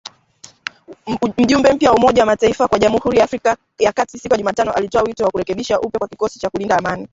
Mjumbe mpya wa Umoja wa mataifa kwa Jamhuri ya Afrika ya kati siku ya Jumatano alitoa wito wa kurekebishwa upya kwa kikosi cha kulinda amani